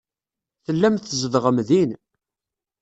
Tellam tzedɣem din.